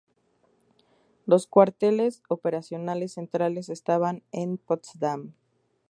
Los cuarteles operacionales centrales estaban en Potsdam.